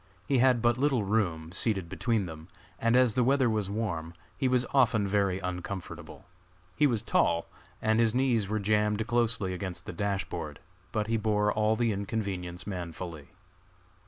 He had but little room, seated between them, and as the weather was warm, he was often very uncomfortable. He was tall, and his knees were jammed closely against the dash board; but he bore all the inconvenience manfully.